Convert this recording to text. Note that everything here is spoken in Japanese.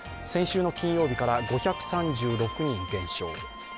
先週の金曜日から５３６人減少。